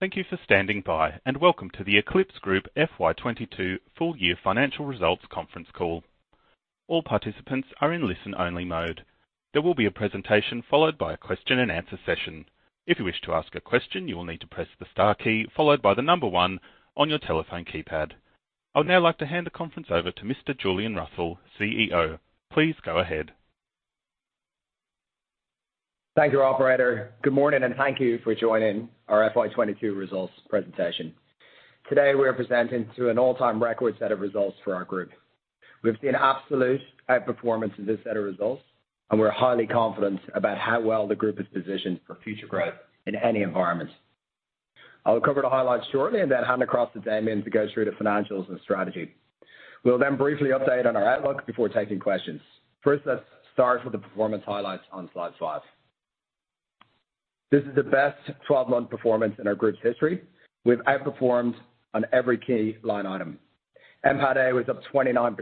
Thank you for standing by, and welcome to the FleetPartners Group FY 2022 full year financial results conference call. All participants are in listen-only mode. There will be a presentation followed by a question-and-answer session. If you wish to ask a question, you will need to press the star key followed by the number one on your telephone keypad. I would now like to hand the conference over to Mr. Julian Russell, CEO. Please go ahead. Thank you, operator. Good morning, and thank you for joining our FY 2022 results presentation. Today, we are presenting to an all-time record set of results for our group. We've seen absolute outperformance in this set of results, and we're highly confident about how well the group is positioned for future growth in any environment. I'll cover the highlights shortly and then hand across to Damien to go through the financials and strategy. We'll then briefly update on our outlook before taking questions. First, let's start with the performance highlights on Slide 5. This is the best 12-month performance in our group's history. We've outperformed on every key line item. NPATA was up 29%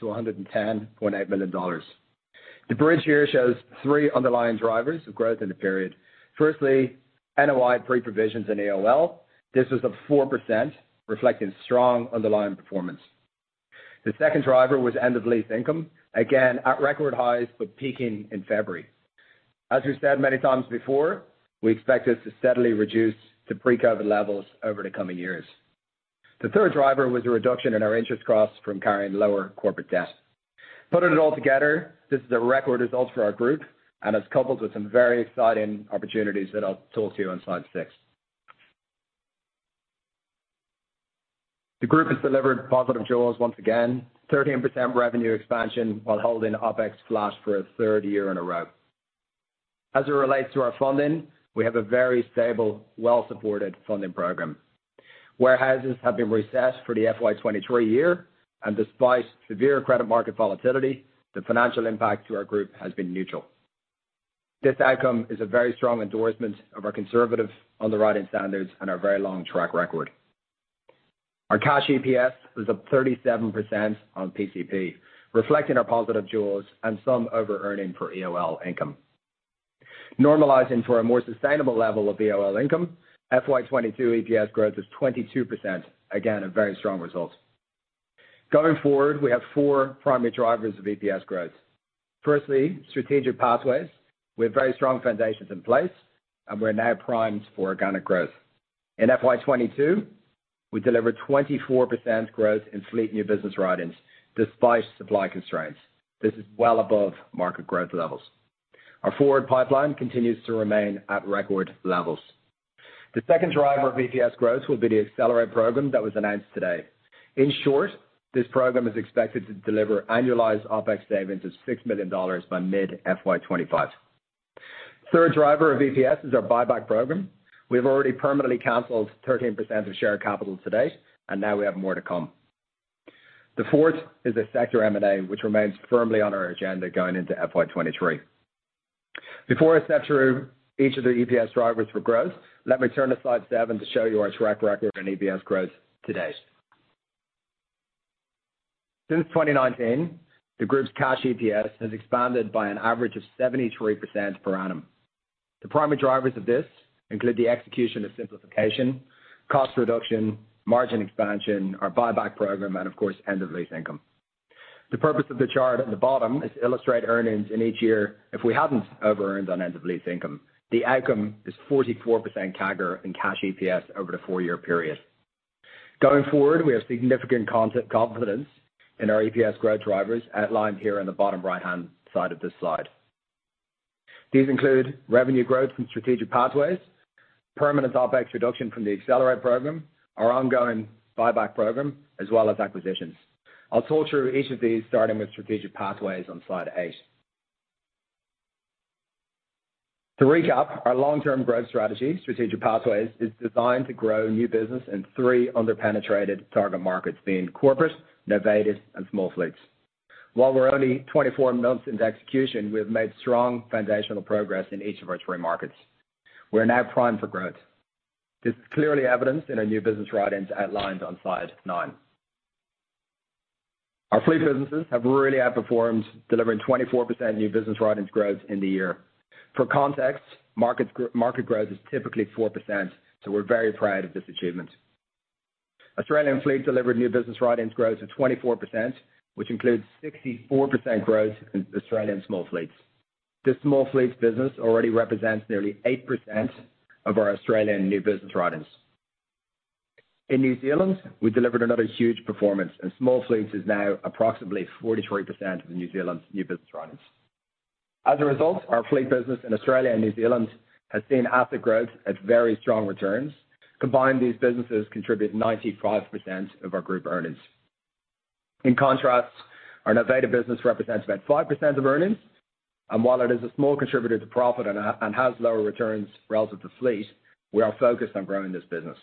to 110.8 million dollars. The bridge here shows 3 underlying drivers of growth in the period. Firstly, NOI pre-provisions and EOL. This was up 4%, reflecting strong underlying performance. The second driver was end of lease income. Again, at record highs, but peaking in February. As we've said many times before, we expect this to steadily reduce to pre-COVID levels over the coming years. The 3rd driver was a reduction in our interest costs from carrying lower corporate debt. Putting it all together, this is a record result for our group and is coupled with some very exciting opportunities that I'll talk to you on Slide 6. The group has delivered positive jaws once again, 13% revenue expansion while holding OpEx flat for a third year in a row. As it relates to our funding, we have a very stable, well-supported funding program. Warehouses have been accessed for the FY 2023 year, and despite severe credit market volatility, the financial impact to our group has been neutral. This outcome is a very strong endorsement of our conservative underwriting standards and our very long track record. Our cash EPS was up 37% on PCP, reflecting our positive jaws and some over-earning for EOL income. Normalizing to a more sustainable level of EOL income, FY 2022 EPS growth is 22%. Again, a very strong result. Going forward, we have four primary drivers of EPS growth. Firstly, Strategic Pathways. We have very strong foundations in place, and we're now primed for organic growth. In FY 2022, we delivered 24% growth in fleet new business writings despite supply constraints. This is well above market growth levels. Our forward pipeline continues to remain at record levels. The second driver of EPS growth will be the Accelerate program that was announced today. In short, this program is expected to deliver annualized OpEx savings of 6 million dollars by mid-FY 2025. Third driver of EPS is our buyback program. We have already permanently canceled 13% of share capital to date, and now we have more to come. The fourth is the sector M&A, which remains firmly on our agenda going into FY 2023. Before I step through each of the EPS drivers for growth, let me turn to Slide 7 to show you our track record on EPS growth to date. Since 2019, the group's cash EPS has expanded by an average of 73% per annum. The primary drivers of this include the execution of simplification, cost reduction, margin expansion, our buyback program, and of course, end of lease income. The purpose of the chart at the bottom is to illustrate earnings in each year if we hadn't overearned on end of lease income. The outcome is 44% CAGR in cash EPS over the 4-year period. Going forward, we have significant confidence in our EPS growth drivers outlined here in the bottom right-hand side of this slide. These include revenue growth from Strategic Pathways, permanent OpEx reduction from the Accelerate program, our ongoing buyback program, as well as acquisitions. I'll talk through each of these, starting with Strategic Pathways on Slide 8. To recap, our long-term growth strategy, Strategic Pathways, is designed to grow new business in three under-penetrated target markets, being corporate, novated, and small fleets. While we're only 24 months into execution, we have made strong foundational progress in each of our three markets. We are now primed for growth. This is clearly evidenced in our new business writings outlined on Slide 9. Our fleet businesses have really outperformed, delivering 24% new business writings growth in the year. For context, market growth is typically 4%, so we're very proud of this achievement. Australian Fleet delivered new business writings growth of 24%, which includes 64% growth in Australian small fleets. This small fleets business already represents nearly 8% of our Australian new business writings. In New Zealand, we delivered another huge performance, and small fleets is now approximately 43% of New Zealand's new business writings. As a result, our fleet business in Australia and New Zealand has seen asset growth at very strong returns. Combined, these businesses contribute 95% of our group earnings. In contrast, our novated business represents about 5% of earnings, and while it is a small contributor to profit and has lower returns relative to fleet, we are focused on growing this business.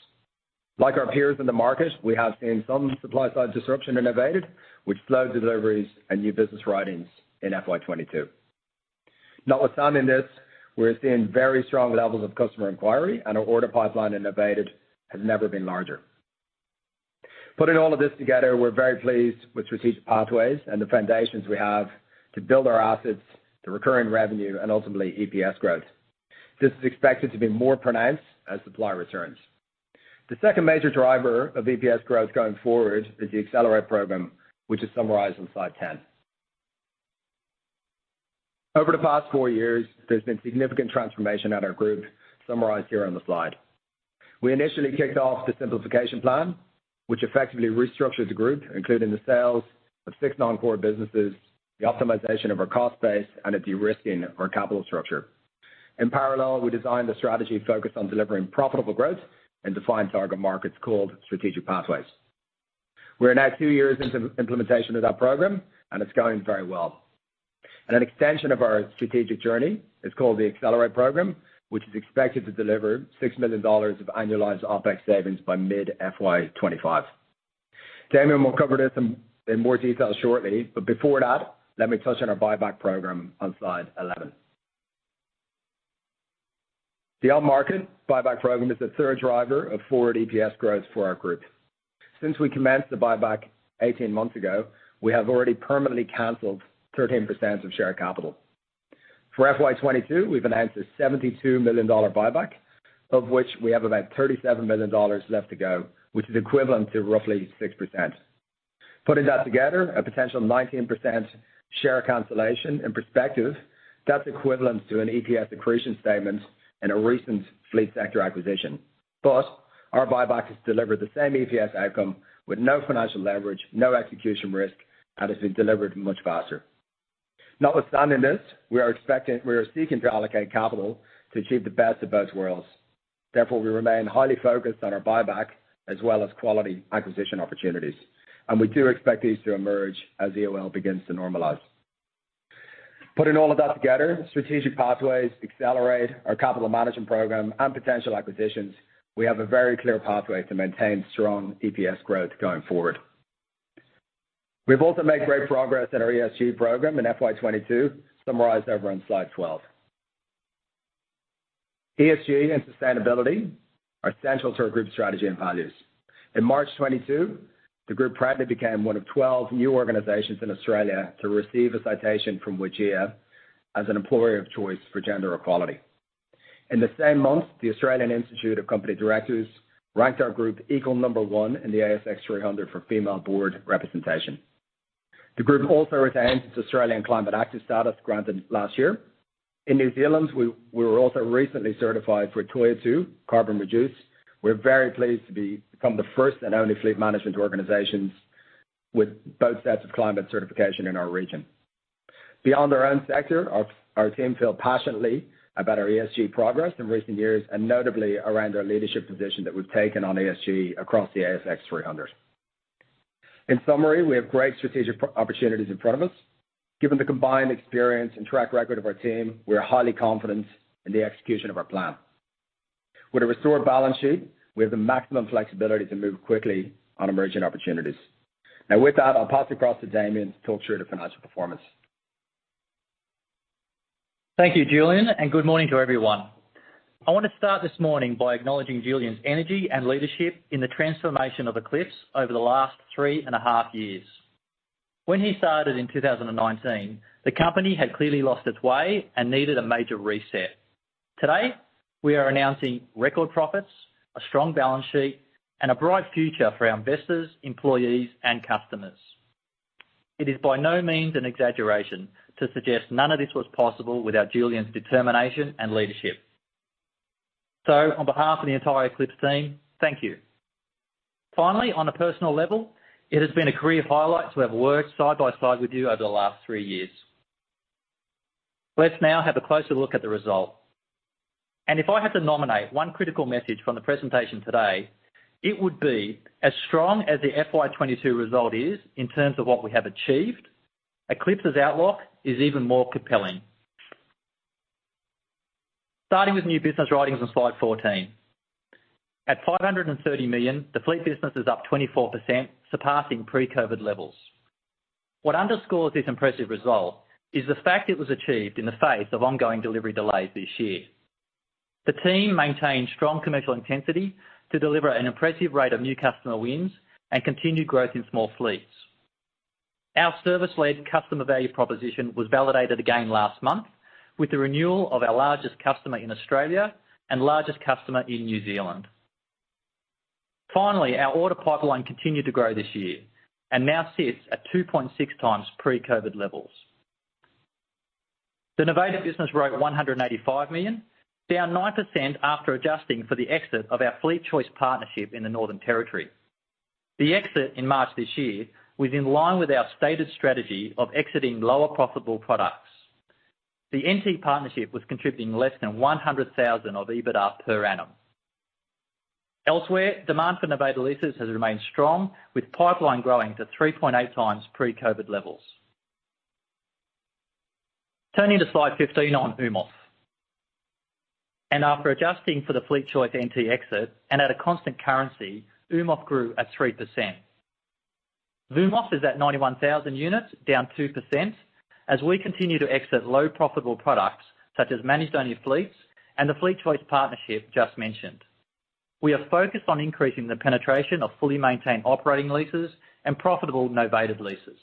Like our peers in the market, we have seen some supply-side disruption in novated, which slowed deliveries and new business writings in FY 2022. Notwithstanding this, we're seeing very strong levels of customer inquiry, and our order pipeline in novated has never been larger. Putting all of this together, we're very pleased with Strategic Pathways and the foundations we have to build our assets to recurring revenue and ultimately EPS growth. This is expected to be more pronounced as supply returns. The second major driver of EPS growth going forward is the Accelerate program, which is summarized on Slide 10. Over the past four years, there's been significant transformation at our group, summarized here on the slide. We initially kicked off the Simplification Plan, which effectively restructured the group, including the sales of 6 non-core businesses, the optimization of our cost base, and a de-risking of our capital structure. In parallel, we designed a strategy focused on delivering profitable growth and defined target markets called Strategic Pathways. We're now 2 years into the implementation of that program, and it's going very well. An extension of our strategic journey is called the Accelerate program, which is expected to deliver 6 million dollars of annualized OpEx savings by mid-FY 2025. Damien will cover this in more detail shortly, but before that, let me touch on our buyback program on Slide 11. The on-market buyback program is the third driver of forward EPS growth for our group. Since we commenced the buyback 18 months ago, we have already permanently canceled 13% of share capital. For FY 2022, we've announced a 72 million dollar buyback, of which we have about 37 million dollars left to go, which is equivalent to roughly 6%. Putting that together, a potential 19% share cancellation. In perspective, that's equivalent to an EPS accretion statement in a recent fleet sector acquisition. Plus, our buyback has delivered the same EPS outcome with no financial leverage, no execution risk, and it's been delivered much faster. Notwithstanding this, we are seeking to allocate capital to achieve the best of both worlds. Therefore, we remain highly focused on our buyback as well as quality acquisition opportunities. We do expect these to emerge as EOL begins to normalize. Putting all of that together, Strategic Pathways accelerate our capital management program and potential acquisitions. We have a very clear pathway to maintain strong EPS growth going forward. We've also made great progress in our ESG program in FY 2022, summarized over on Slide 12. ESG and sustainability are central to our group strategy and values. In March 2022, the group proudly became one of 12 new organizations in Australia to receive a citation from WGEA as an employer of choice for gender equality. In the same month, the Australian Institute of Company Directors ranked our group equal number one in the ASX 300 for female board representation. The group also retained its Australian Climate Active status granted last year. In New Zealand, we were also recently certified for Toitū carbonreduce. We're very pleased to become the first and only fleet management organizations with both sets of climate certification in our region. Beyond our own sector, our team feel passionately about our ESG progress in recent years and notably around our leadership position that we've taken on ESG across the ASX 300. In summary, we have great strategic opportunities in front of us. Given the combined experience and track record of our team, we are highly confident in the execution of our plan. With a restored balance sheet, we have the maximum flexibility to move quickly on emerging opportunities. Now, with that, I'll pass across to Damien to talk through the financial performance. Thank you, Julian, and good morning to everyone. I want to start this morning by acknowledging Julian's energy and leadership in the transformation of FleetPartners Group over the last 3.5 years. When he started in 2019, the company had clearly lost its way and needed a major reset. Today, we are announcing record profits, a strong balance sheet, and a bright future for our investors, employees, and customers. It is by no means an exaggeration to suggest none of this was possible without Julian's determination and leadership. On behalf of the entire FleetPartners Group team, thank you. Finally, on a personal level, it has been a career highlight to have worked side by side with you over the last 3 years. Let's now have a closer look at the result. If I had to nominate one critical message from the presentation today, it would be as strong as the FY 2022 result is in terms of what we have achieved. Eclipx's outlook is even more compelling. Starting with new business writings on Slide 14. At 530 million, the fleet business is up 24%, surpassing pre-COVID levels. What underscores this impressive result is the fact it was achieved in the face of ongoing delivery delays this year. The team maintained strong commercial intensity to deliver an impressive rate of new customer wins and continued growth in small fleets. Our service-led customer value proposition was validated again last month with the renewal of our largest customer in Australia and largest customer in New Zealand. Finally, our order pipeline continued to grow this year and now sits at 2.6 times pre-COVID levels. The novated business wrote 185 million, down 9% after adjusting for the exit of our FleetChoice partnership in the Northern Territory. The exit in March this year was in line with our stated strategy of exiting lower profitable products. The NT partnership was contributing less than 100,000 of EBITDA per annum. Elsewhere, demand for novated leases has remained strong, with pipeline growing to 3.8 times pre-COVID levels. Turning to Slide 15 on UMOF. After adjusting for the FleetChoice NT exit and at a constant currency, UMOF grew at 3%. Volume is at 91,000 units, down 2%, as we continue to exit low profitable products such as manage-only fleets and the FleetChoice partnership just mentioned. We are focused on increasing the penetration of fully maintained operating leases and profitable novated leases.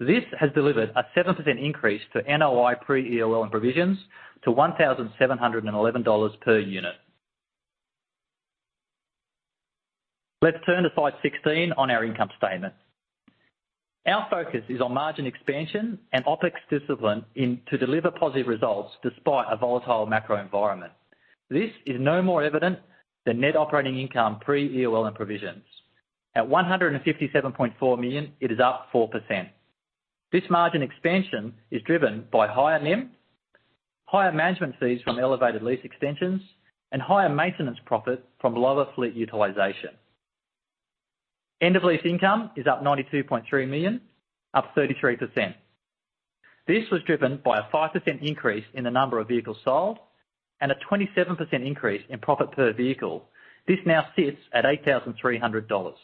This has delivered a 7% increase to NOI pre-EOL and provisions to 1,711 dollars per unit. Let's turn to Slide 16 on our income statement. Our focus is on margin expansion and OpEx discipline to deliver positive results despite a volatile macro environment. This is no more evident than net operating income pre-EOL and provisions. At 157.4 million, it is up 4%. This margin expansion is driven by higher NIM, higher management fees from elevated lease extensions, and higher maintenance profit from lower fleet utilization. End of lease income is up 92.3 million, up 33%. This was driven by a 5% increase in the number of vehicles sold and a 27% increase in profit per vehicle. This now sits at 8,300 dollars.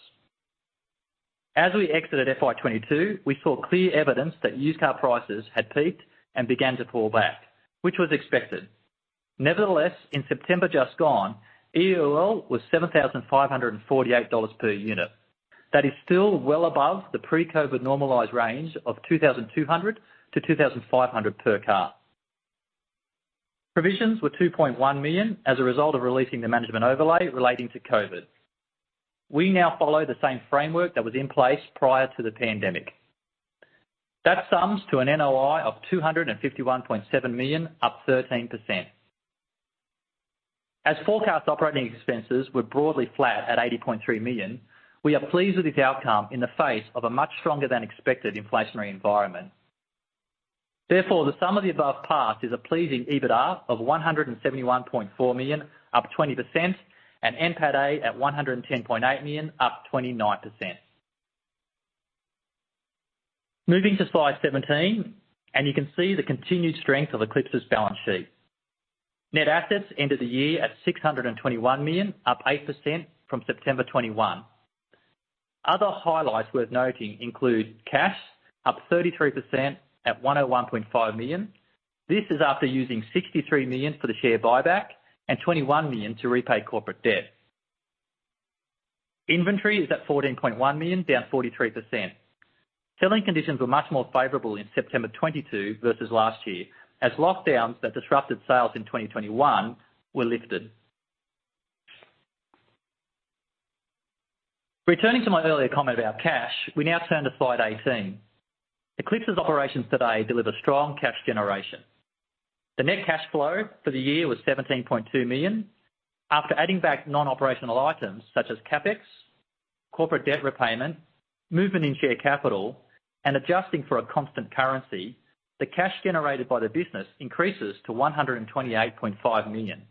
As we exited FY 2022, we saw clear evidence that used car prices had peaked and began to fall back, which was expected. Nevertheless, in September just gone, EOL was 7,548 dollars per unit. That is still well above the pre-COVID normalized range of 2,200-2,500 per car. Provisions were 2.1 million as a result of releasing the management overlay relating to COVID. We now follow the same framework that was in place prior to the pandemic. That sums to an NOI of 251.7 million, up 13%. As forecast operating expenses were broadly flat at 80.3 million, we are pleased with this outcome in the face of a much stronger than expected inflationary environment. Therefore, the sum of the above path is a pleasing EBITA of 171.4 million, up 20%, and NPATA at 110.8 million, up 29%. Moving to Slide 17, and you can see the continued strength of Eclipx's balance sheet. Net assets ended the year at 621 million, up 8% from September 2021. Other highlights worth noting include cash up 33% at 101.5 million. This is after using 63 million for the share buyback and 21 million to repay corporate debt. Inventory is at 14.1 million, down 43%. Selling conditions were much more favorable in September 2022 versus last year, as lockdowns that disrupted sales in 2021 were lifted. Returning to my earlier comment about cash, we now turn to Slide 18. Eclipx's operations today deliver strong cash generation. The net cash flow for the year was 17.2 million. After adding back non-operational items such as CapEx, corporate debt repayment, movement in share capital, and adjusting for a constant currency, the cash generated by the business increases to 128.5 million.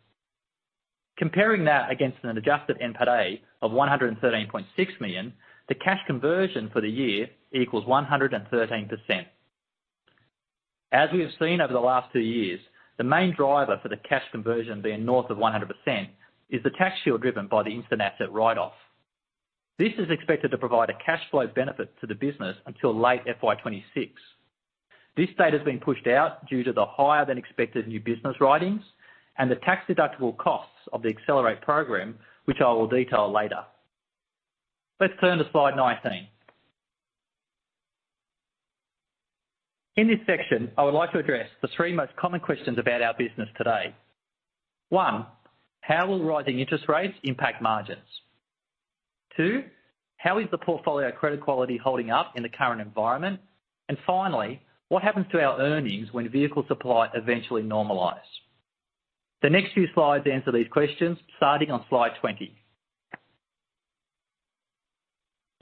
Comparing that against an adjusted NPATA of 113.6 million, the cash conversion for the year equals 113%. As we have seen over the last 2 years, the main driver for the cash conversion being north of 100% is the tax shield driven by the instant asset write-off. This is expected to provide a cash flow benefit to the business until late FY 2026. This date has been pushed out due to the higher than expected new business writings and the tax-deductible costs of the Accelerate program, which I will detail later. Let's turn to Slide 19. In this section, I would like to address the three most common questions about our business today. One, how will rising interest rates impact margins? Two, how is the portfolio credit quality holding up in the current environment? And finally, what happens to our earnings when vehicle supply eventually normalize? The next few slides answer these questions, starting on Slide 20.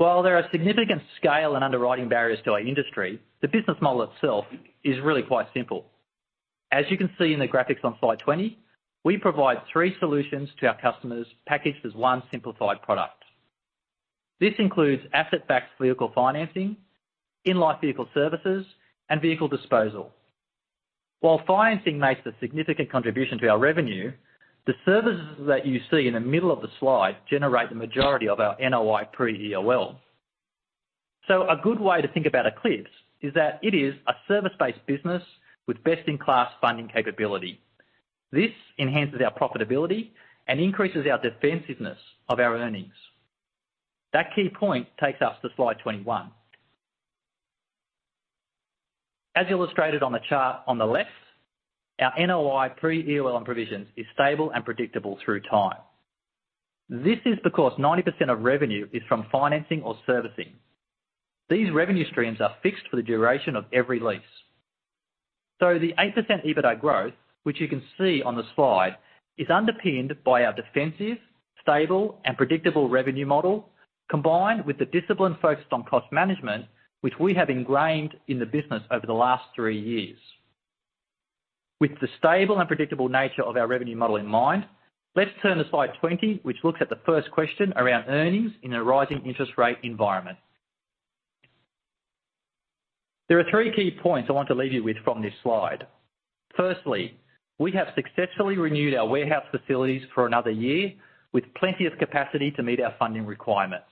While there are significant scale and underwriting barriers to our industry, the business model itself is really quite simple. As you can see in the graphics on Slide 20, we provide three solutions to our customers packaged as one simplified product. This includes asset-backed vehicle financing, in-life vehicle services, and vehicle disposal. While financing makes a significant contribution to our revenue, the services that you see in the middle of the slide generate the majority of our NOI pre-EOL. A good way to think about Eclipx is that it is a service-based business with best-in-class funding capability. This enhances our profitability and increases our defensiveness of our earnings. That key point takes us to Slide 21. As illustrated on the chart on the left, our NOI pre-EOL and provisions is stable and predictable through time. This is because 90% of revenue is from financing or servicing. These revenue streams are fixed for the duration of every lease. The 8% EBITA growth, which you can see on the slide, is underpinned by our defensive, stable, and predictable revenue model, combined with the discipline focused on cost management, which we have ingrained in the business over the last 3 years. With the stable and predictable nature of our revenue model in mind, let's turn to Slide 20, which looks at the first question around earnings in a rising interest rate environment. There are 3 key points I want to leave you with from this slide. Firstly, we have successfully renewed our warehouse facilities for another year with plenty of capacity to meet our funding requirements.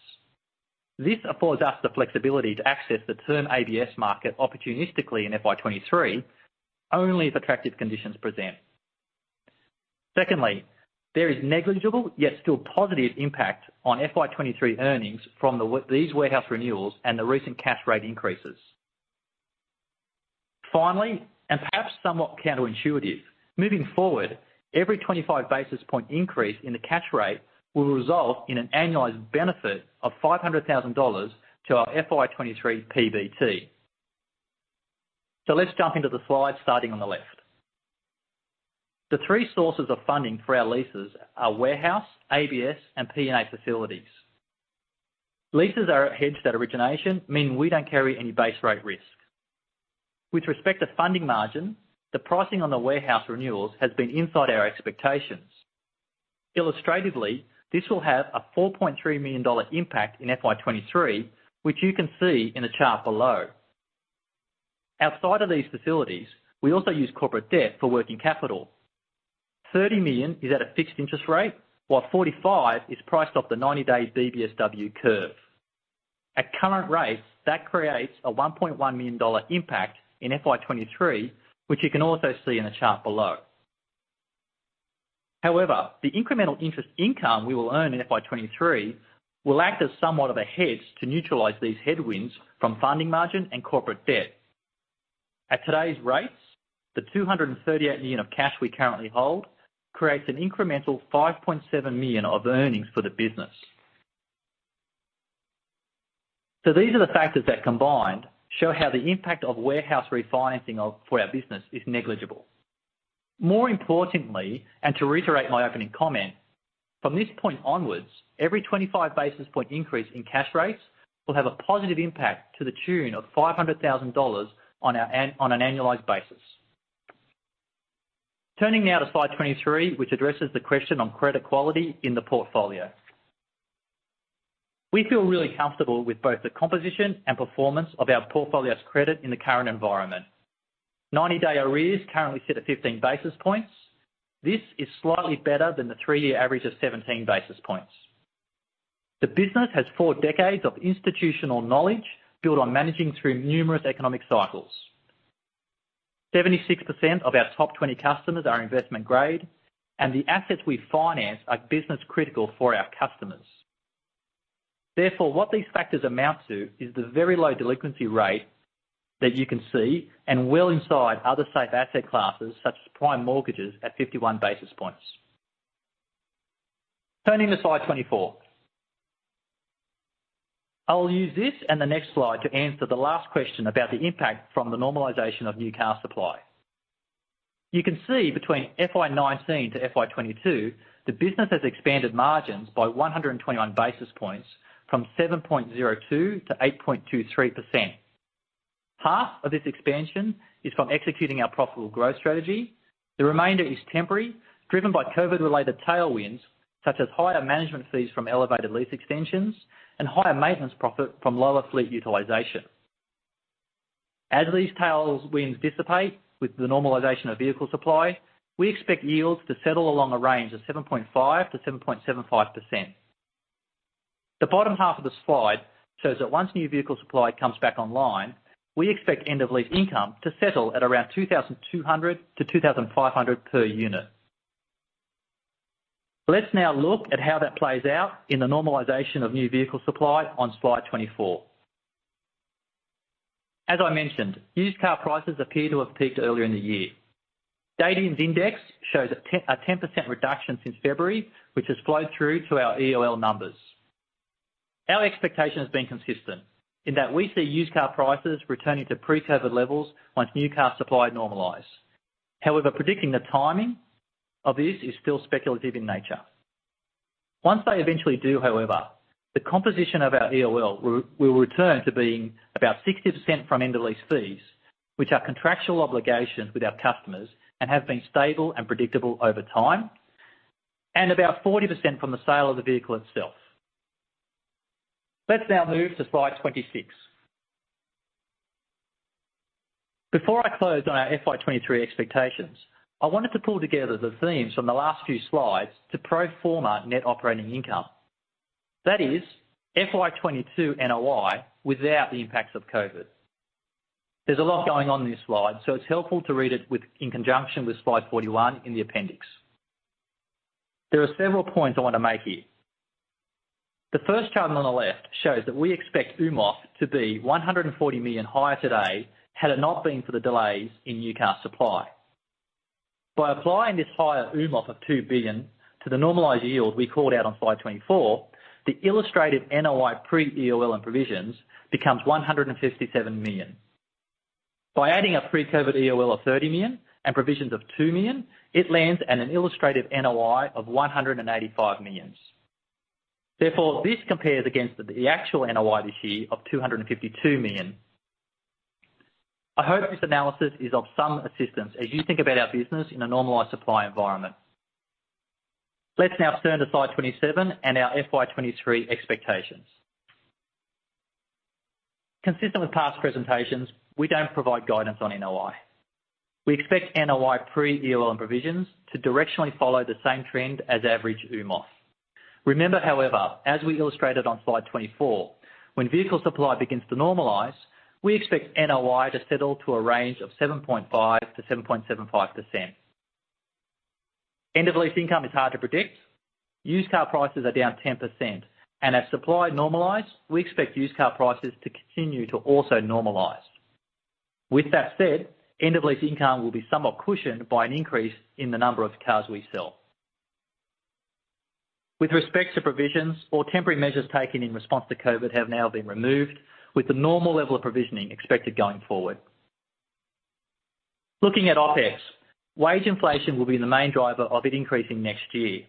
This affords us the flexibility to access the term ABS market opportunistically in FY 2023 only if attractive conditions present. Secondly, there is negligible, yet still positive impact on FY 2023 earnings from these warehouse renewals and the recent cash rate increases. Finally, and perhaps somewhat counterintuitive, moving forward, every 25 basis point increase in the cash rate will result in an annualized benefit of 500,000 dollars to our FY 2023 PBT. Let's jump into the slide starting on the left. The three sources of funding for our leases are warehouse, ABS, and P&A facilities. Leases are hedged at origination, meaning we don't carry any base rate risk. With respect to funding margin, the pricing on the warehouse renewals has been inside our expectations. Illustratively, this will have an 4.3 million dollar impact in FY 2023, which you can see in the chart below. Outside of these facilities, we also use corporate debt for working capital. 30 million is at a fixed interest rate, while 45 million is priced off the 90-day BBSW curve. At current rates, that creates an 1.1 million dollar impact in FY 2023, which you can also see in the chart below. However, the incremental interest income we will earn in FY 2023 will act as somewhat of a hedge to neutralize these headwinds from funding margin and corporate debt. At today's rates, the 238 million of cash we currently hold creates an incremental 5.7 million of earnings for the business. These are the factors that combined show how the impact of warehouse refinancing on our business is negligible. More importantly, and to reiterate my opening comment, from this point onwards, every 25 basis point increase in cash rates will have a positive impact to the tune of 500,000 dollars on an annualized basis. Turning now to Slide 23, which addresses the question on credit quality in the portfolio. We feel really comfortable with both the composition and performance of our portfolio's credit in the current environment. 90-day arrears currently sit at 15 basis points. This is slightly better than the 3-year average of 17 basis points. The business has four decades of institutional knowledge built on managing through numerous economic cycles. 76% of our top 20 customers are investment grade, and the assets we finance are business critical for our customers. Therefore, what these factors amount to is the very low delinquency rate that you can see and well inside other safe asset classes such as prime mortgages at 51 basis points. Turning to Slide 24. I'll use this and the next slide to answer the last question about the impact from the normalization of new car supply. You can see between FY 2019 to FY 2022, the business has expanded margins by 121 basis points from 7.02% to 8.23%. Half of this expansion is from executing our profitable growth strategy. The remainder is temporary, driven by COVID-related tailwinds, such as higher management fees from elevated lease extensions and higher maintenance profit from lower fleet utilization. As these tailwinds dissipate with the normalization of vehicle supply, we expect yields to settle along a range of 7.5%-7.75%. The bottom half of the slide shows that once new vehicle supply comes back online, we expect end of lease income to settle at around 2,200-2,500 per unit. Let's now look at how that plays out in the normalization of new vehicle supply on Slide 24. As I mentioned, used car prices appear to have peaked earlier in the year. Datium Insights' index shows a 10% reduction since February, which has flowed through to our EOL numbers. Our expectation has been consistent in that we see used car prices returning to pre-COVID levels once new car supply normalize. However, predicting the timing of this is still speculative in nature. Once they eventually do, however, the composition of our EOL will return to being about 60% from end of lease fees, which are contractual obligations with our customers and have been stable and predictable over time, and about 40% from the sale of the vehicle itself. Let's now move to Slide 26. Before I close on our FY 2023 expectations, I wanted to pull together the themes from the last few slides to pro forma net operating income. That is FY 2022 NOI without the impacts of COVID. There's a lot going on in this slide, so it's helpful to read it with, in conjunction with Slide 41 in the appendix. There are several points I want to make here. The first chart on the left shows that we expect UMOF to be 140 million higher today had it not been for the delays in new car supply. By applying this higher UMOF of 2 billion to the normalized yield we called out on Slide 24, the illustrated NOI pre-EOL and provisions becomes 157 million. By adding a pre-COVID EOL of 30 million and provisions of 2 million, it lands at an illustrative NOI of 185 million. Therefore, this compares against the actual NOI this year of 252 million. I hope this analysis is of some assistance as you think about our business in a normalized supply environment. Let's now turn to Slide 27 and our FY 2023 expectations. Consistent with past presentations, we don't provide guidance on NOI. We expect NOI pre-EOL and provisions to directionally follow the same trend as average UMOF. Remember, however, as we illustrated on Slide 24, when vehicle supply begins to normalize, we expect NOI to settle to a range of 7.5%-7.75%. End of lease income is hard to predict. Used car prices are down 10%, and as supply normalizes, we expect used car prices to continue to also normalize. With that said, end of lease income will be somewhat cushioned by an increase in the number of cars we sell. With respect to provisions, temporary measures taken in response to COVID have now been removed, with the normal level of provisioning expected going forward. Looking at OpEx, wage inflation will be the main driver of it increasing next year.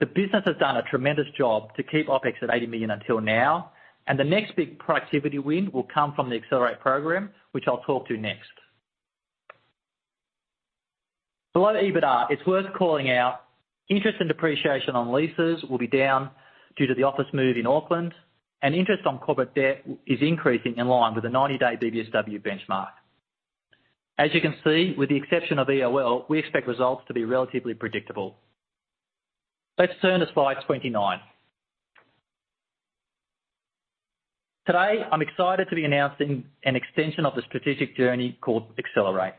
The business has done a tremendous job to keep OpEx at 80 million until now, and the next big productivity win will come from the Accelerate program, which I'll talk to next. Below EBITDA, it's worth calling out, interest and depreciation on leases will be down due to the office move in Auckland and interest on corporate debt is increasing in line with the 90-day BBSW benchmark. As you can see, with the exception of EOL, we expect results to be relatively predictable. Let's turn to Slide 29. Today, I'm excited to be announcing an extension of the strategic journey called Accelerate.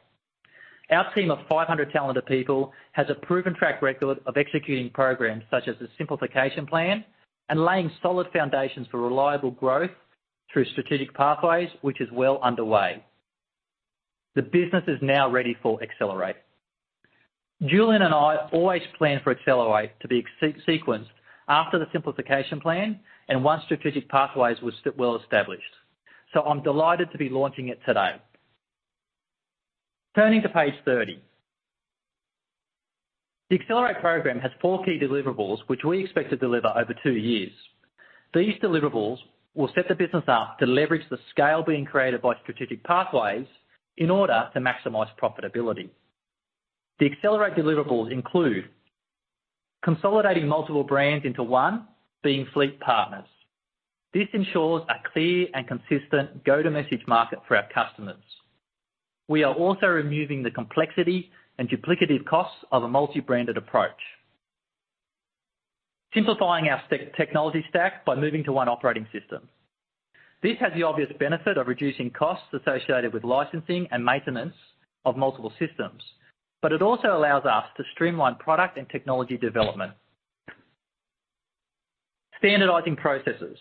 Our team of 500 talented people has a proven track record of executing programs such as the Simplification Plan and laying solid foundations for reliable growth through Strategic Pathways, which is well underway. The business is now ready for Accelerate. Julian and I always planned for Accelerate to be executed after the Simplification Plan and once Strategic Pathways was well established. I'm delighted to be launching it today. Turning to Page 30. The Accelerate program has four key deliverables which we expect to deliver over 2 years. These deliverables will set the business up to leverage the scale being created by Strategic Pathways in order to maximize profitability. The Accelerate deliverables include consolidating multiple brands into one, being FleetPartners. This ensures a clear and consistent go-to-market message for our customers. We are also removing the complexity and duplicative costs of a multi-branded approach. Simplifying our technology stack by moving to one operating system. This has the obvious benefit of reducing costs associated with licensing and maintenance of multiple systems. It also allows us to streamline product and technology development. Standardizing processes.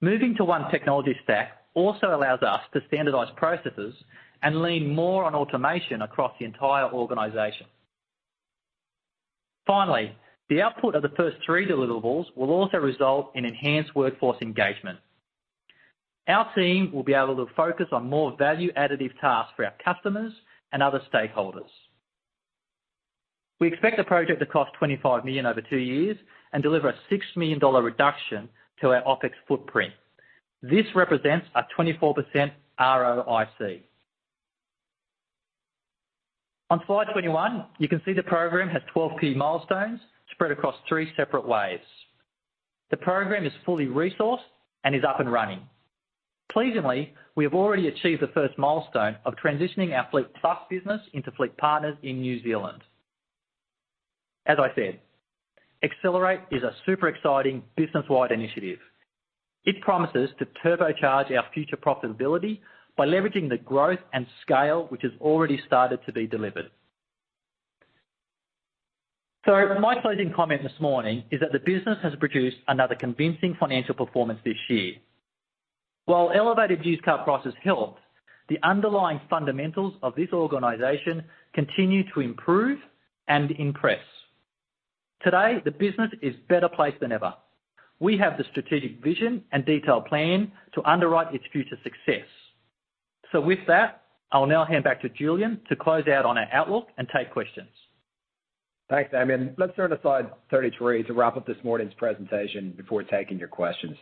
Moving to one technology stack also allows us to standardize processes and lean more on automation across the entire organization. Finally, the output of the first three deliverables will also result in enhanced workforce engagement. Our team will be able to focus on more value additive tasks for our customers and other stakeholders. We expect the project to cost 25 million over 2 years and deliver a 6 million dollar reduction to our OpEx footprint. This represents a 24% ROIC. On Slide 21, you can see the program has 12 key milestones spread across three separate waves. The program is fully resourced and is up and running. Pleasingly, we have already achieved the first milestone of transitioning our FleetPlus business into FleetPartners in New Zealand. As I said, Accelerate is a super exciting business-wide initiative. It promises to turbocharge our future profitability by leveraging the growth and scale which has already started to be delivered. My closing comment this morning is that the business has produced another convincing financial performance this year. While elevated used car prices helped, the underlying fundamentals of this organization continue to improve and impress. Today, the business is better placed than ever. We have the strategic vision and detailed plan to underwrite its future success. With that, I'll now hand back to Julian to close out on our outlook and take questions. Thanks, Damien. Let's turn to Slide 33 to wrap up this morning's presentation before taking your questions.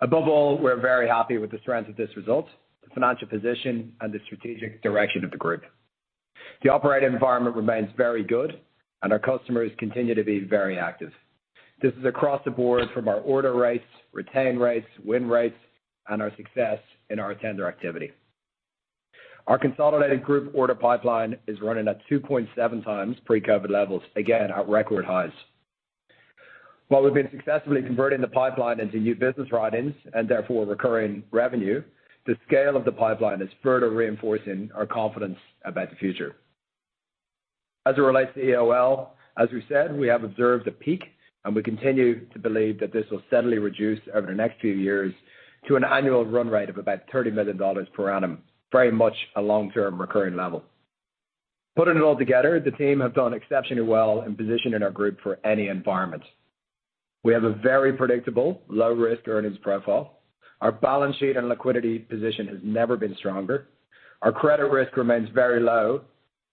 Above all, we're very happy with the strength of this result, the financial position and the strategic direction of the group. The operating environment remains very good and our customers continue to be very active. This is across the board from our order rates, retention rates, win rates, and our success in our tender activity. Our consolidated group order pipeline is running at 2.7 times pre-COVID levels, again, at record highs. While we've been successfully converting the pipeline into new business writings and therefore recurring revenue, the scale of the pipeline is further reinforcing our confidence about the future. As it relates to EOL, as we said, we have observed a peak, and we continue to believe that this will steadily reduce over the next few years to an annual run rate of about 30 million dollars per annum, very much a long-term recurring level. Putting it all together, the team have done exceptionally well in positioning our group for any environment. We have a very predictable low-risk earnings profile. Our balance sheet and liquidity position has never been stronger. Our credit risk remains very low,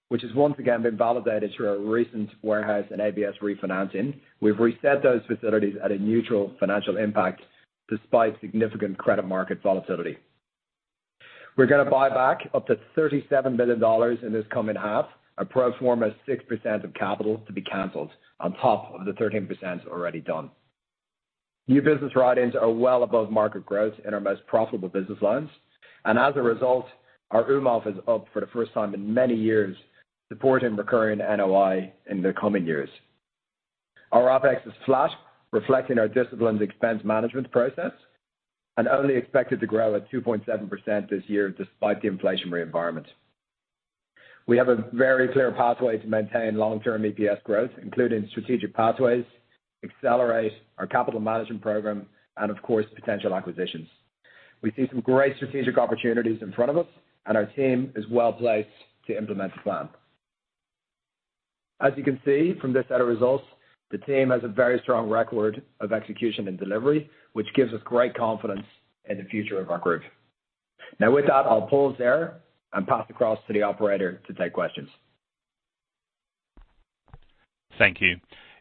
which has once again been validated through our recent warehouse and ABS refinancing. We've reset those facilities at a neutral financial impact despite significant credit market volatility. We're gonna buy back up to 37 million dollars in this coming half. Our pro forma is 6% of capital to be canceled on top of the 13% already done. new business writings are well above market growth in our most profitable business lines. As a result, our UMOF is up for the first time in many years, supporting recurring NOI in the coming years. Our OpEx is flat, reflecting our disciplined expense management process and only expected to grow at 2.7% this year despite the inflationary environment. We have a very clear pathway to maintain long-term EPS growth, including Strategic Pathways, Accelerate, our capital management program and of course, potential acquisitions. We see some great strategic opportunities in front of us, and our team is well-placed to implement the plan. As you can see from this set of results, the team has a very strong record of execution and delivery, which gives us great confidence in the future of our group. Now, with that, I'll pause there and pass across to the operator to take questions. Thank you.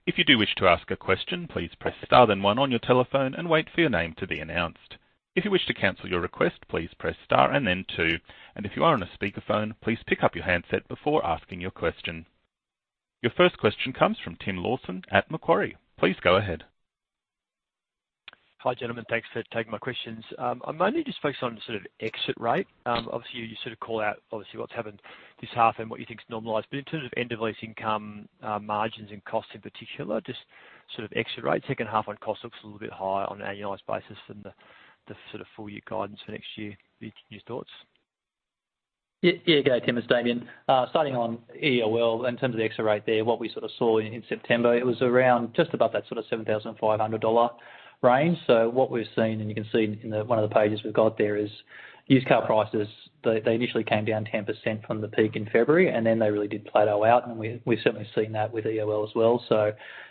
If you do wish to ask a question, please press Star then 1 on your telephone and wait for your name to be announced. If you wish to cancel your request, please press Star and then 2. If you are on a speakerphone, please pick up your handset before asking your question. Your first question comes from Tim Lawson at Macquarie. Please go ahead. Hi, gentlemen. Thanks for taking my questions. I'm mainly just focused on sort of exit rate. Obviously, you sort of call out what's happened this half and what you think is normalized. In terms of end-of-lease income, margins and costs in particular, just sort of exit rates, second half on cost looks a little bit higher on an annualized basis than the sort of full year guidance for next year. Your thoughts? Okay, Tim, it's Damien. Starting on EOL, in terms of the exit rate there, what we sort of saw in September, it was around just about that sort of 7,500 dollar range. What we've seen, and you can see in one of the pages we've got there is used car prices. They initially came down 10% from the peak in February, and then they really did plateau out, and we've certainly seen that with EOL as well.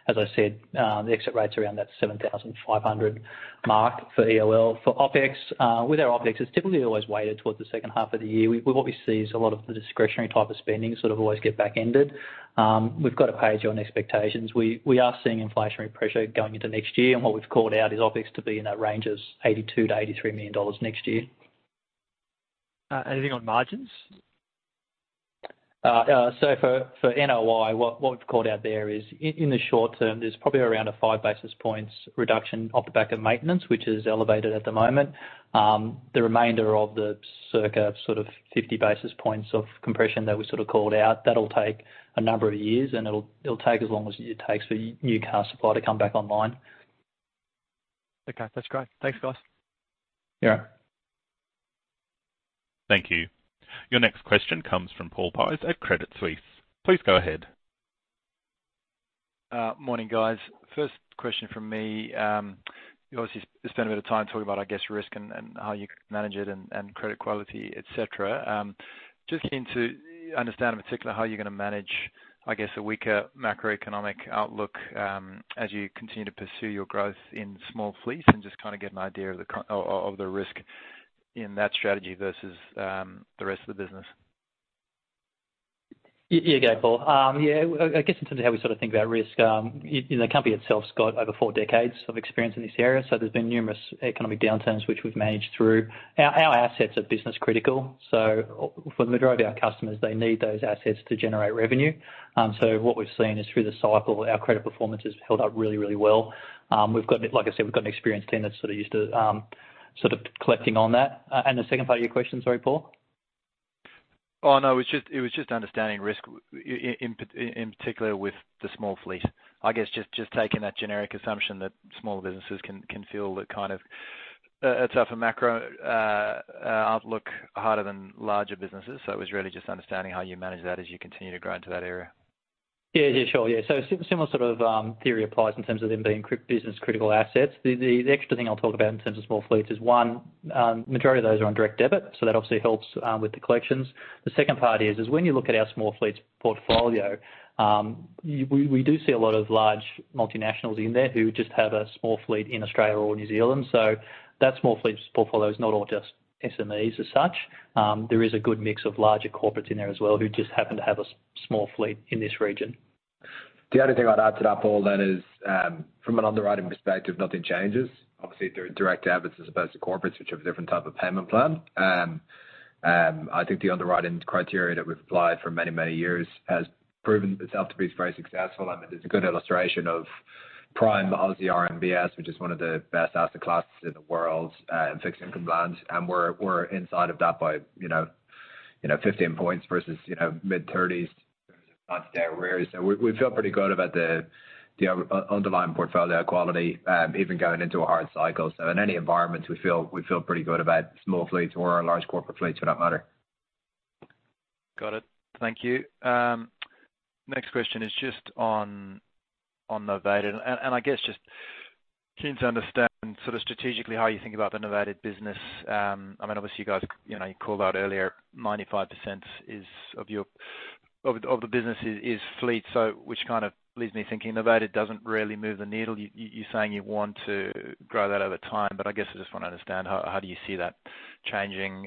As I said, the exit rate's around that 7,500 mark for EOL. For OpEx, with our OpEx, it's typically always weighted towards the second half of the year. What we see is a lot of the discretionary type of spending sort of always get back-ended. We've got a page on expectations. We are seeing inflationary pressure going into next year, and what we've called out is OpEx to be in that range of 82 million-83 million dollars next year. Anything on margins? For NOI, what we've called out there is in the short term, there's probably around a 5 basis points reduction off the back of maintenance, which is elevated at the moment. The remainder of the circa sort of 50 basis points of compression that we sort of called out, that'll take a number of years, and it'll take as long as it takes for new car supply to come back online. Okay, that's great. Thanks, guys. Yeah. Thank you. Your next question comes from Paul Buys at Credit Suisse. Please go ahead. Morning, guys. First question from me, you obviously spent a bit of time talking about, I guess, risk and how you manage it and credit quality, et cetera. Just keen to understand in particular how you're gonna manage, I guess, a weaker macroeconomic outlook, as you continue to pursue your growth in small fleets and just kinda get an idea of the risk in that strategy versus the rest of the business. Yeah. Yeah, okay, Paul. Yeah, I guess in terms of how we sort of think about risk, you know, the company itself's got over four decades of experience in this area, so there's been numerous economic downturns which we've managed through. Our assets are business critical, so for the majority of our customers, they need those assets to generate revenue. So what we've seen is through the cycle, our credit performance has held up really, really well. We've got, like I said, an experienced team that's sort of used to sort of collecting on that. The second part of your question, sorry, Paul? Oh, no, it was just understanding risk in particular with the small fleet. I guess just taking that generic assumption that small businesses can feel the kind of tougher macro outlook harder than larger businesses. It was really just understanding how you manage that as you continue to grow into that area. Yeah, yeah, sure. Yeah. Similar sort of theory applies in terms of them being business critical assets. The extra thing I'll talk about in terms of small fleets is, one, majority of those are on direct debit, so that obviously helps with the collections. The second part is when you look at our small fleets portfolio, we do see a lot of large multinationals in there who just have a small fleet in Australia or New Zealand. That small fleets portfolio is not all just SMEs as such. There is a good mix of larger corporates in there as well who just happen to have a small fleet in this region. The only thing I'd add to that, Paul, is from an underwriting perspective, nothing changes. Obviously, they're direct debits as opposed to corporates, which have a different type of payment plan. I think the underwriting criteria that we've applied for many, many years has proven itself to be very successful. I mean, it's a good illustration of prime Aussie RMBS, which is one of the best asset classes in the world, in fixed income loans. We're inside of that by, you know, 15 points versus, you know, mid-30s. We feel pretty good about the underlying portfolio quality, even going into a hard cycle. In any environment, we feel pretty good about small fleets or our large corporate fleets for that matter. Got it. Thank you. Next question is just on novated. I guess just keen to understand sort of strategically how you think about the novated business. I mean, obviously you guys, you know, you called out earlier 95% of the business is fleet. Which kind of leaves me thinking novated doesn't really move the needle. You're saying you want to grow that over time, but I guess I just wanna understand how do you see that changing?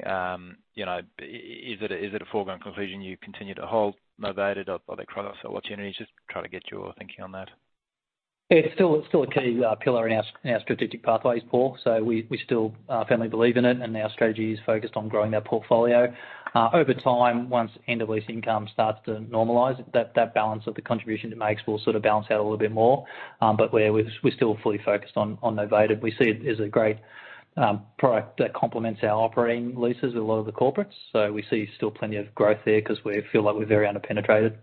You know, is it a foregone conclusion you continue to hold novated or are there cross-sell opportunities? Just trying to get your thinking on that. It's still a key pillar in our Strategic Pathways, Paul. We still firmly believe in it, and our strategy is focused on growing our portfolio. Over time, once end-of-lease income starts to normalize, that balance of the contribution it makes will sort of balance out a little bit more. We're still fully focused on novated. We see it as a great product that complements our operating leases with a lot of the corporates. We see still plenty of growth there 'cause we feel like we're very under-penetrated.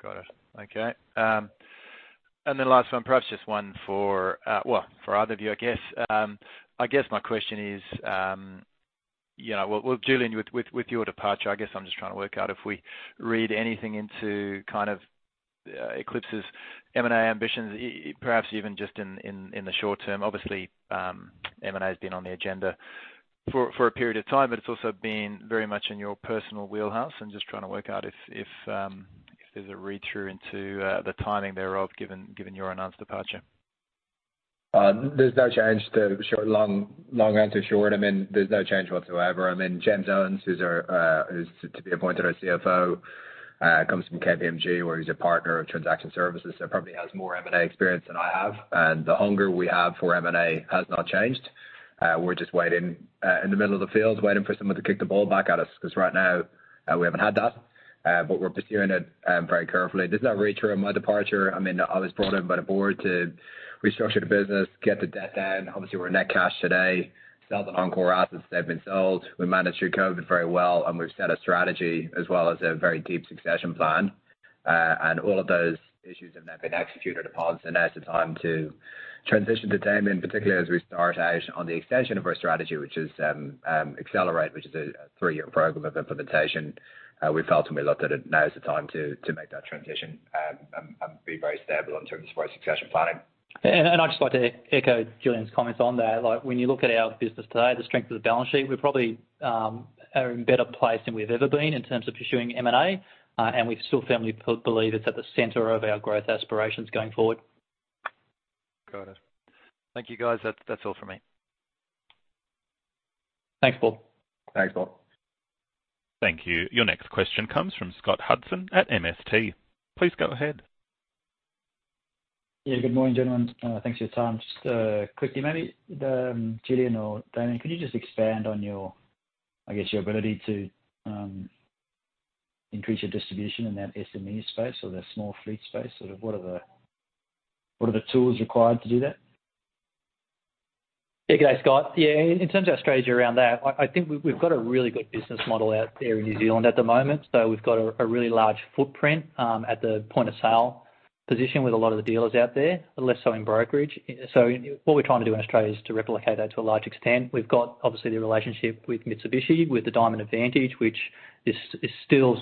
Got it. Okay. Then last one, perhaps just one for, well, for either of you, I guess. I guess my question is, you know, well, Julian, with your departure, I guess I'm just trying to work out if we read anything into kind of, Eclipx's M&A ambitions, perhaps even just in the short term. Obviously, M&A has been on the agenda for a period of time, but it's also been very much in your personal wheelhouse. I'm just trying to work out if there's a read-through into the timing thereof, given your announced departure. There's no change to short-long, long end to short. I mean, there's no change whatsoever. I mean, James Owen, who is to be appointed our CFO, comes from KPMG, where he's a partner of transaction services, so probably has more M&A experience than I have. The hunger we have for M&A has not changed. We're just waiting in the middle of the field, waiting for someone to kick the ball back at us, 'cause right now, we haven't had that. We're pursuing it very carefully. There's no read-through on my departure. I mean, I was brought in by the board to restructure the business, get the debt down. Obviously, we're net cash today. Sell the non-core assets, they've been sold. We managed through COVID very well, and we've set a strategy as well as a very deep succession plan. All of those issues have now been executed upon. Now is the time to transition to Damien, particularly as we start out on the extension of our strategy, which is Accelerate, which is a three-year program of implementation. We felt when we looked at it, now is the time to make that transition and be very stable in terms of our succession planning. I'd just like to echo Julian's comments on that. Like, when you look at our business today, the strength of the balance sheet, we probably are in a better place than we've ever been in terms of pursuing M&A. We still firmly believe it's at the center of our growth aspirations going forward. Got it. Thank you, guys. That's all for me. Thanks, Paul. Thanks, Paul. Thank you. Your next question comes from Scott Hudson at MST. Please go ahead. Yeah, good morning, gentlemen. Thanks for your time. Just quickly, maybe Julian or Damien, could you just expand on your, I guess, your ability to increase your distribution in that SME space or the small fleet space? Sort of what are the tools required to do that? Yeah. Good day, Scott. Yeah, in terms of our strategy around that, I think we've got a really good business model out there in New Zealand at the moment. We've got a really large footprint at the point of sale position with a lot of the dealers out there, less so in brokerage. What we're trying to do in Australia is to replicate that to a large extent. We've got, obviously, the relationship with Mitsubishi, with the Diamond Advantage, which is still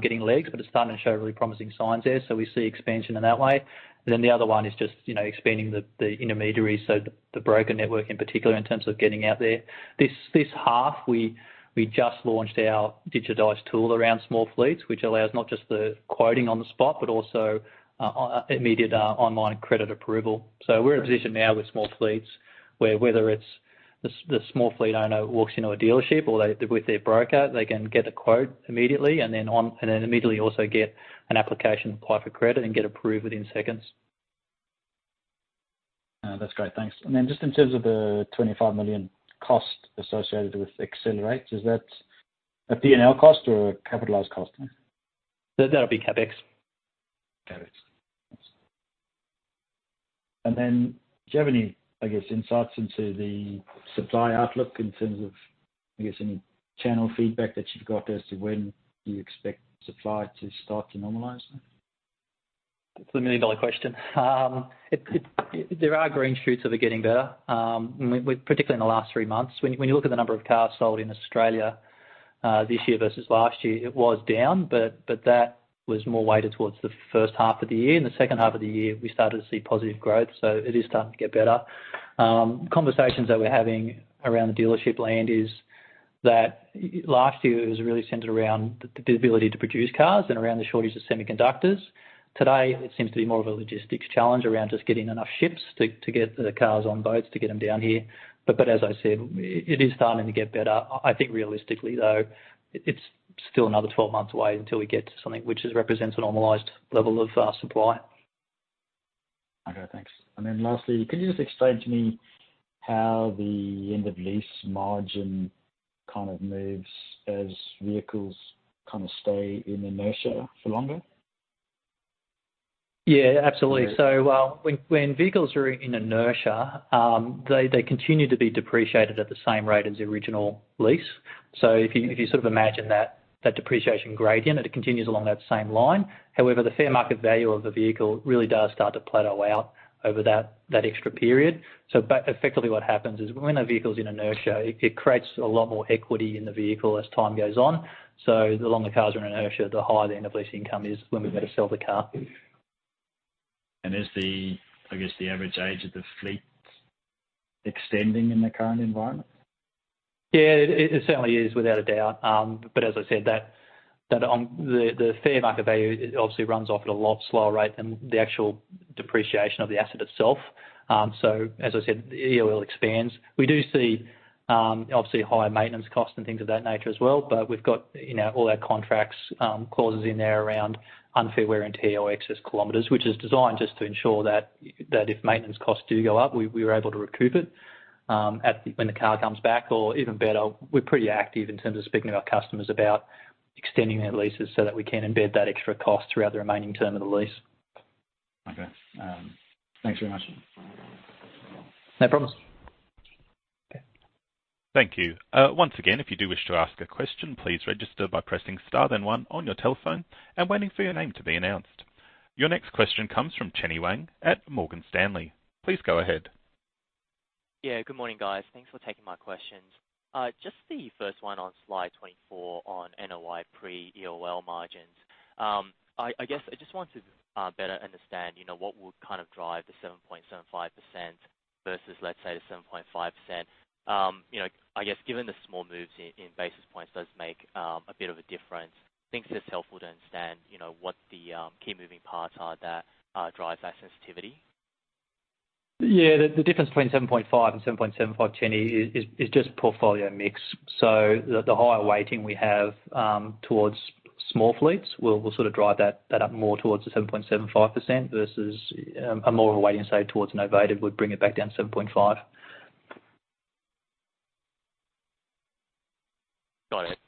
getting legs, but it's starting to show really promising signs there. We see expansion in that way. The other one is just, you know, expanding the intermediaries, so the broker network in particular in terms of getting out there. This half, we just launched our digitized tool around small fleets, which allows not just the quoting on the spot, but also immediate online credit approval. We're in a position now with small fleets where whether it's the small fleet owner walks into a dealership or they're with their broker, they can get a quote immediately and then immediately also get an application to apply for credit and get approved within seconds. That's great. Thanks. Just in terms of the 25 million cost associated with Accelerate, is that a P&L cost or a capitalized cost? That'll be CapEx. CapEx. Thanks. Do you have any, I guess, insights into the supply outlook in terms of, I guess, any channel feedback that you've got as to when you expect supply to start to normalize? That's the million-dollar question. There are green shoots that are getting better, particularly in the last three months. When you look at the number of cars sold in Australia, this year versus last year, it was down, but that was more weighted towards the first half of the year. In the second half of the year, we started to see positive growth. It is starting to get better. Conversations that we're having around the dealership landscape is that last year it was really centered around the ability to produce cars and around the shortage of semiconductors. Today, it seems to be more of a logistics challenge around just getting enough ships to get the cars on boats to get them down here. As I said, it is starting to get better. I think realistically, though, it's still another 12 months away until we get to something which represents a normalized level of supply. Okay, thanks. Lastly, could you just explain to me how the end-of-lease margin kind of moves as vehicles kind of stay in inertia for longer? Yeah, absolutely. Yeah. When vehicles are in inertia, they continue to be depreciated at the same rate as the original lease. If you sort of imagine that depreciation gradient, it continues along that same line. However, the fair market value of the vehicle really does start to plateau out over that extra period. Effectively what happens is when a vehicle's in inertia, it creates a lot more equity in the vehicle as time goes on. The longer cars are in inertia, the higher the end-of-lease income is when we go to sell the car. Is the, I guess, the average age of the fleet extending in the current environment? Yeah, it certainly is, without a doubt. As I said, the fair market value obviously runs off at a lot slower rate than the actual depreciation of the asset itself. As I said, EOL expands. We do see obviously higher maintenance costs and things of that nature as well. We've got, you know, all our contracts clauses in there around unfair wear and tear or excess kilometers, which is designed just to ensure that if maintenance costs do go up, we're able to recoup it when the car comes back or even better, we're pretty active in terms of speaking to our customers about extending their leases so that we can embed that extra cost throughout the remaining term of the lease. Okay. Thanks very much. No problem. Okay. Thank you. Once again, if you do wish to ask a question, please register by pressing star then one on your telephone and waiting for your name to be announced. Your next question comes from Chenny Wang at Morgan Stanley. Please go ahead. Yeah, good morning, guys. Thanks for taking my questions. Just the first one on Slide 24 on NOI pre-EOL margins. I guess I just want to better understand, you know, what would kind of drive the 7.75% versus, let's say, the 7.5%. You know, I guess given the small moves in basis points does make a bit of a difference. Think it's helpful to understand, you know, what the key moving parts are that drives that sensitivity. Yeah. The difference between 7.5% and 7.75%, Chenny, is just portfolio mix. The higher weighting we have towards small fleets will sort of drive that up more towards the 7.75% versus a more weighting, say, towards novated would bring it back down to 7.5%. Got it.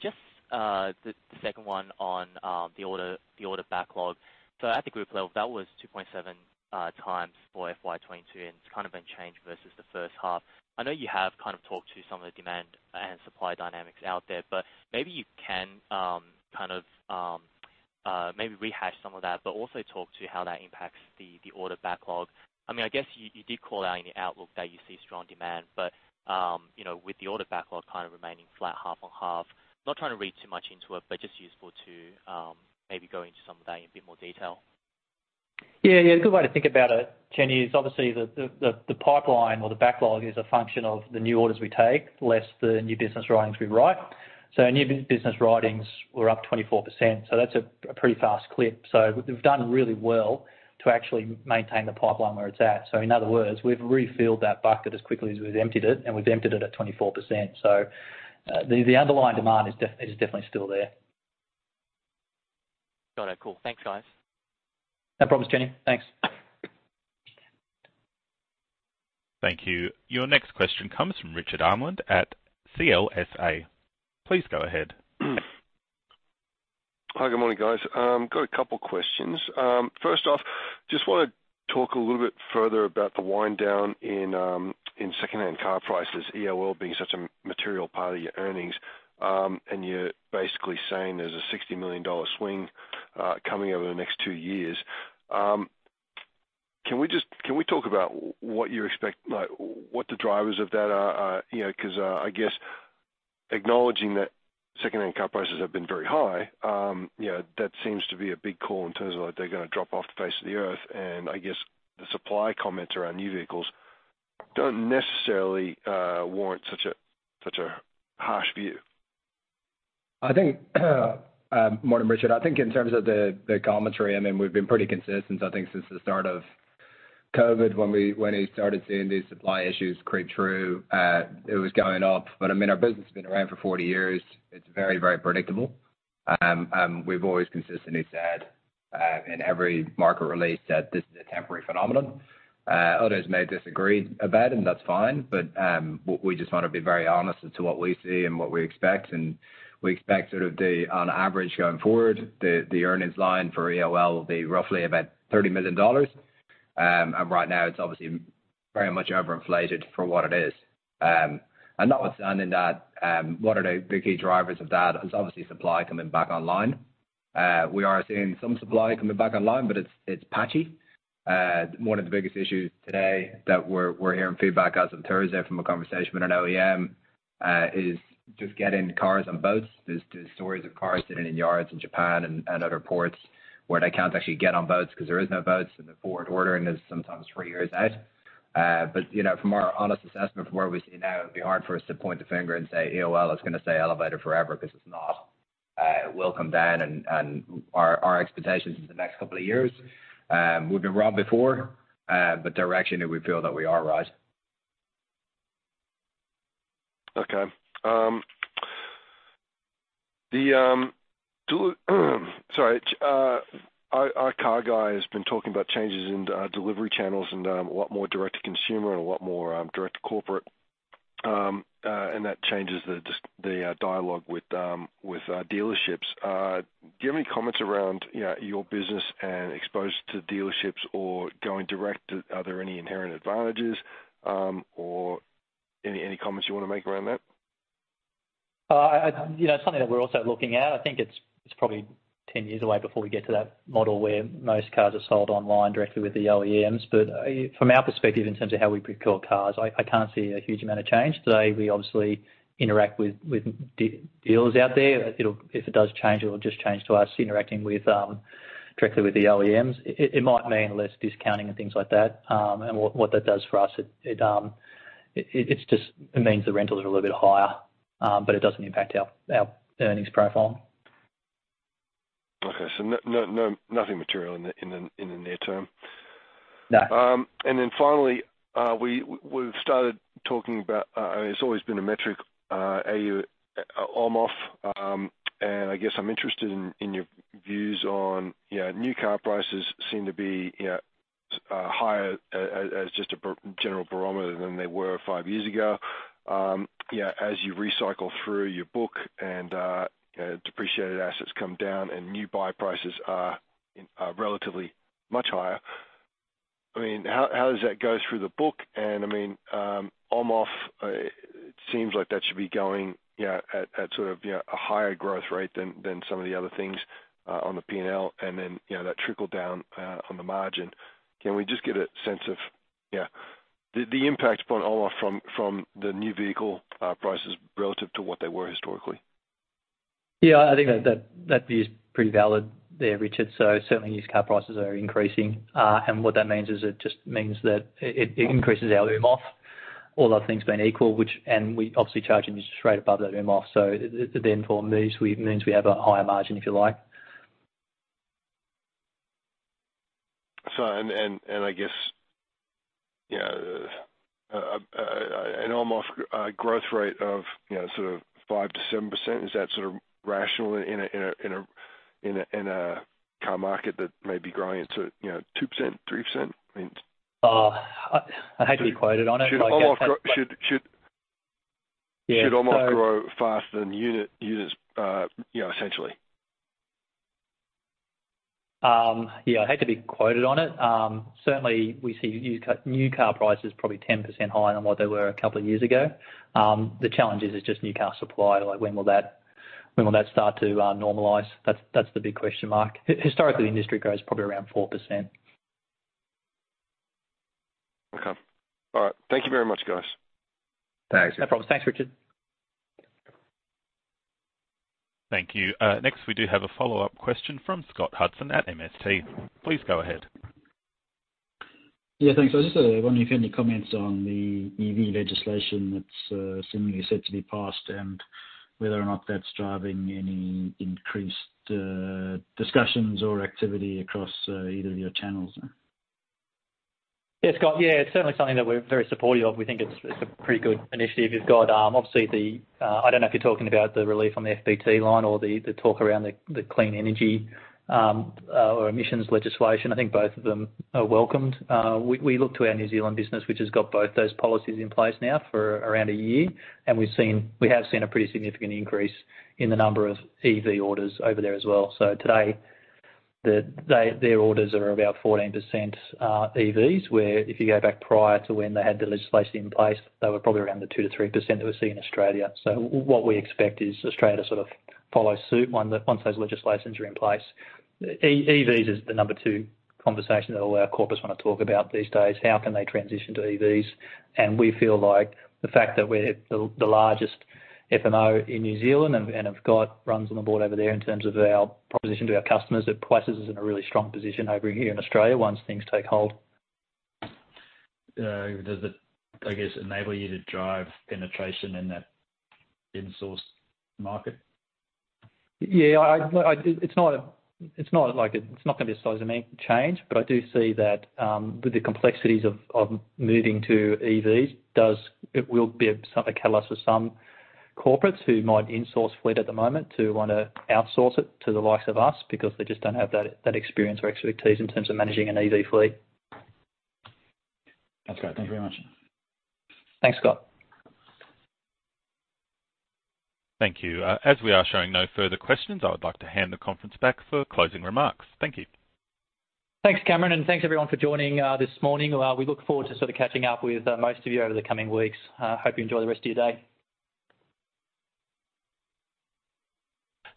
Just, the second one on the order backlog. At the group level, that was 2.7 times for FY 2022, and it's kind of been changed versus the first half. I know you have kind of talked to some of the demand and supply dynamics out there, but maybe you can kind of maybe rehash some of that, but also talk to how that impacts the order backlog. I mean, I guess you did call out in the outlook that you see strong demand, but you know, with the order backlog kind of remaining flat half-on-half. Not trying to read too much into it, but just useful to maybe go into some of that in a bit more detail. Yeah. A good way to think about it, Chenny, is obviously the pipeline or the backlog is a function of the new orders we take, less the new business writings we write. New business writings were up 24%, so that's a pretty fast clip. We've done really well to actually maintain the pipeline where it's at. The underlying demand is definitely still there. Got it. Cool. Thanks, guys. No problems, Chenny. Thanks. Thank you. Your next question comes from Richard Amland at CLSA. Please go ahead. Hi, good morning, guys. Got a couple questions. First off, just wanna talk a little bit further about the wind down in secondhand car prices, EOL being such a material part of your earnings. You're basically saying there's a 60 million dollar swing coming over the next two years. Can we talk about what you expect, like what the drivers of that are, you know, 'cause I guess acknowledging that secondhand car prices have been very high, you know, that seems to be a big call in terms of like they're gonna drop off the face of the earth. I guess the supply comments around new vehicles don't necessarily warrant such a harsh view. I think morning, Richard Amland. I think in terms of the commentary, I mean, we've been pretty consistent, I think, since the start of COVID when we started seeing these supply issues creep through, it was going up. I mean, our business has been around for 40 years. It's very, very predictable. We've always consistently said in every market release that this is a temporary phenomenon. Others may disagree about it, and that's fine, but we just wanna be very honest as to what we see and what we expect. We expect sort of the, on average, going forward, the earnings line for EOL will be roughly about 30 million dollars. And right now it's obviously very much overinflated for what it is. Notwithstanding that, what are the big key drivers of that is obviously supply coming back online. We are seeing some supply coming back online, but it's patchy. One of the biggest issues today that we're hearing feedback as of Thursday from a conversation with an OEM is just getting cars on boats. There's stories of cars sitting in yards in Japan and other ports where they can't actually get on boats 'cause there is no boats, and the forward ordering is sometimes three years out. You know, from our honest assessment from where we sit now, it'd be hard for us to point the finger and say, EOL is gonna stay elevated forever, 'cause it's not. It will come down and our expectations is the next couple of years. We've been wrong before, but directionally we feel that we are right. Okay. Our car guy has been talking about changes in delivery channels and a lot more direct to consumer and a lot more direct to corporate. That changes the dialogue with dealerships. Do you have any comments around, you know, your business and exposure to dealerships or going direct? Are there any inherent advantages or any comments you wanna make around that? You know, something that we're also looking at, I think it's probably 10 years away before we get to that model where most cars are sold online directly with the OEMs. From our perspective, in terms of how we procure cars, I can't see a huge amount of change. Today, we obviously interact with dealers out there. If it does change, it will just change to us interacting directly with the OEMs. It might mean less discounting and things like that. And what that does for us, it means the rentals are a little bit higher, but it doesn't impact our earnings profile. Okay. Nothing material in the near term. No. Finally, we've started talking about it's always been a metric, AUMOF, and I guess I'm interested in your views on, you know, new car prices seem to be, you know, higher as just a general barometer than they were five years ago. You know, as you recycle through your book and, you know, depreciated assets come down and new buy prices are relatively much higher. I mean, how does that go through the book? I mean, AUMOF seems like that should be going, you know, at sort of, you know, a higher growth rate than some of the other things on the P&L, and then, you know, that trickle down on the margin. Can we just get a sense of, yeah, the impact upon AUMOF from the new vehicle prices relative to what they were historically? Yeah, I think that view is pretty valid there, Richard. Certainly, used car prices are increasing. What that means is it just means that it increases our AUMOF, all other things being equal, which, and we obviously charge interest rate above that AUMOF. Then for me, it means we have a higher margin, if you like. I guess, you know, an AUMOF growth rate of, you know, sort of 5%-7%, is that sort of rational in a car market that may be growing to, you know, 2%-3%? I mean I'd hate to be quoted on it. Should AUMOF Yeah. Should AUMOF grow faster than units, you know, essentially? Yeah, I'd hate to be quoted on it. Certainly we see used car, new car prices probably 10% higher than what they were a couple of years ago. The challenge is just new car supply. Like, when will that start to normalize? That's the big question mark. Historically, the industry grows probably around 4%. Okay. All right. Thank you very much, guys. Thanks. No problem. Thanks, Richard. Thank you. Next, we do have a follow-up question from Scott Hudson at MST. Please go ahead. Yeah, thanks. I was just wondering if you have any comments on the EV legislation that's seemingly set to be passed and whether or not that's driving any increased discussions or activity across either of your channels? Yeah, Scott. Yeah, it's certainly something that we're very supportive of. We think it's a pretty good initiative. You've got obviously, I don't know if you're talking about the relief on the FBT line or the talk around the clean energy or emissions legislation. I think both of them are welcomed. We look to our New Zealand business, which has got both those policies in place now for around a year, and we have seen a pretty significant increase in the number of EV orders over there as well. Today, they, their orders are about 14% EVs, where if you go back prior to when they had the legislation in place, they were probably around the 2%-3% that we see in Australia. What we expect is Australia sort of follow suit once those legislations are in place. EVs is the number 2 conversation that all our corporates wanna talk about these days, how can they transition to EVs. We feel like the fact that we're the largest FMO in New Zealand and have got runs on the board over there in terms of our proposition to our customers, it places us in a really strong position over here in Australia once things take hold. Does it, I guess, enable you to drive penetration in that insourced market? Yeah. It's not gonna be a seismic change, but I do see that with the complexities of moving to EVs, it will be a catalyst for some corporates who might insource fleet at the moment to wanna outsource it to the likes of us because they just don't have that experience or expertise in terms of managing an EV fleet. That's great. Thank you very much. Thanks, Scott. Thank you. As we are showing no further questions, I would like to hand the conference back for closing remarks. Thank you. Thanks, Cameron, and thanks everyone for joining this morning. We look forward to sort of catching up with most of you over the coming weeks. Hope you enjoy the rest of your day.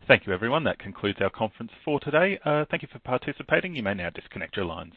Thank you, everyone. That concludes our conference for today. Thank you for participating. You may now disconnect your lines.